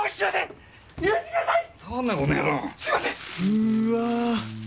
うわ。